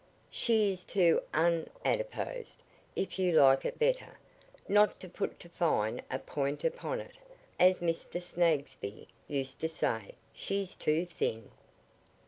"She is too un adiposed, if you like it better. Not to put to fine a point upon it, as Mr. Snagsby used to say she's too thin."